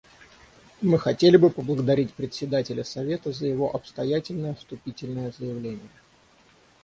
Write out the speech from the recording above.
Мы хотели бы поблагодарить Председателя Совета за его обстоятельное вступительное заявление.